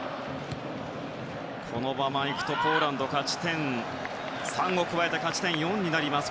このままいくとポーランドが勝ち点３を加えて勝ち点４になります。